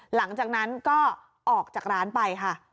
หลังจากนั้นก็ออกจากร้านไปค่ะ